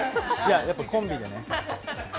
やっぱコンビでね。